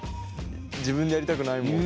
自分でやりたくないもん。